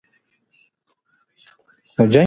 ساینس پوهان وایي چې ډیر ژر به په فضا کې هوټلونه جوړ شي.